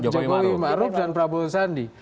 jokowi maruf dan prabowo sandi